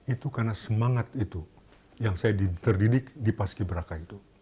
itu karena semangat itu yang saya terdidik di paski beraka itu